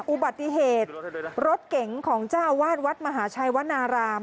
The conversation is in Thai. อุบัติเหตุรถเก๋งของเจ้าอาวาสวัดมหาชัยวนาราม